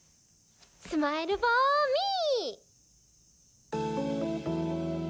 スマイルフォーミー！